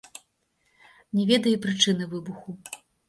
Не ведае і прычыны выбуху.